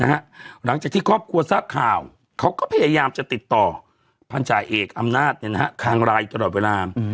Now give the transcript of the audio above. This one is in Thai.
หลังจากที่ครอบครัวทราบข่าวเขาก็พยายามจะติดต่อพันธาเอกอำนาจคางรายตลอดเวลา